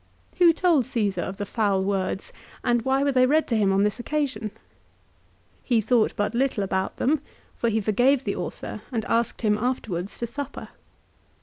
Who told Caesar of the foul words and why were they read to him on this occasion ? He thought but little about them, for he forgave the author and asked him afterwards to supper.